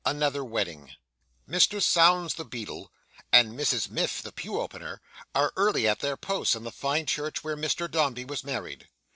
Another Wedding Mr Sownds the beadle, and Mrs Miff the pew opener, are early at their posts in the fine church where Mr Dombey was married.